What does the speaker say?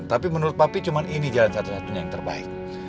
tapi menurut papi cuma ini jalan satu satunya yang terbaik